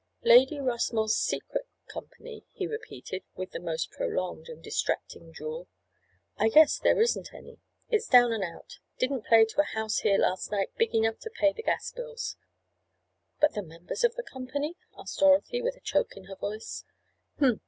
"'Lady Rossmore's Secret' company," he repeated, with the most prolonged and distracting drawl. "I guess there isn't any. It's down and out. Didn't play to a house here last night big enough to pay the gas bills." "But the members of the company?" asked Dorothy with a choke in her voice.